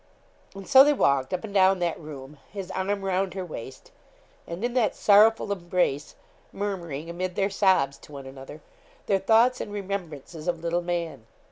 And so they walked up and down that room, his arm round her waist, and in that sorrowful embrace, murmuring amid their sobs to one another, their thoughts and remembrances of 'little man.'